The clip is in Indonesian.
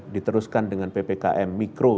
diteruskan dengan ppkm mikro